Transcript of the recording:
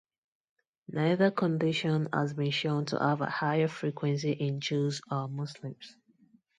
Neither condition has been shown to have a higher frequency in Jews or Muslims.